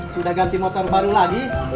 sudah ganti motor baru lagi